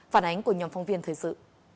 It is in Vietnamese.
phản ánh của nhóm phong viên thời sự